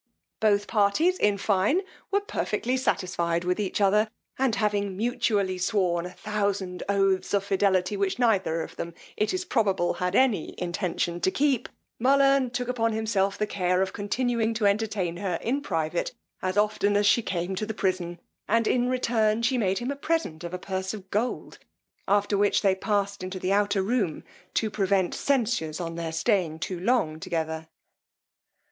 Both parties, in fine, were perfectly satisfied with each other, and having mutually sworn a thousand oaths of fidelity which neither of them, it is probable, had any intention to keep, Mullern took upon himself the care of continuing to entertain her in private as often as she came to the prison, and in return she made him a present of a purse of gold, after which they passed into the outer room to prevent censures on their staying too long together.